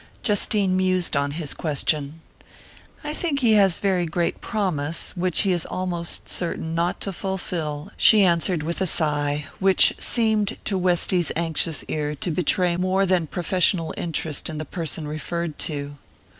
Justine mused on his question. "I think he has very great promise which he is almost certain not to fulfill," she answered with a sigh which seemed to Westy's anxious ear to betray a more than professional interest in the person referred to.